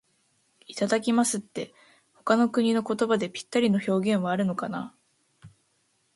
「いただきます」って、他の国の言葉でぴったりの表現はあるのかな。